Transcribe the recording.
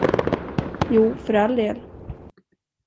Jo, för all del.